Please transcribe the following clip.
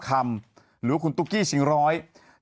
จังหรือเปล่าจังหรือเปล่า